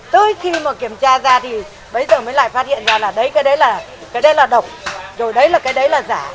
tới khi mà kiểm tra ra thì bây giờ mới lại phát hiện ra là đấy cái đấy là độc rồi đấy là cái đấy là giả